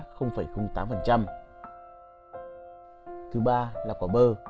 thứ ba là quả bơ